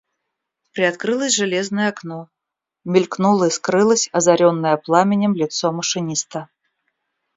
Приоткрылось железное окно, мелькнуло и скрылось озаренное пламенем лицо машиниста.